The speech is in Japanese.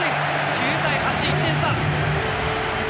９対８の１点差！